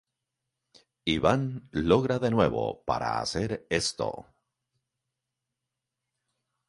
Ivan logra de nuevo para hacer esto.